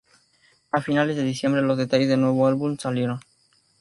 A finales de diciembre los detalles del nuevo álbum salieron.